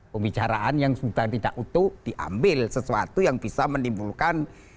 pembicaraan yang sudah tidak utuh diambil sesuatu yang bisa menimbulkan